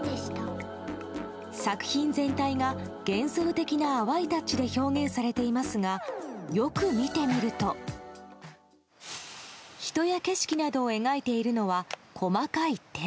作品全体が幻想的な淡いタッチで表現されていますがよく見てみると人や景色などを描いているのは細かい点。